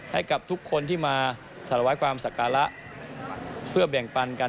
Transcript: ให้กับทุกคนที่มาถวายความสักการะเพื่อแบ่งปันกัน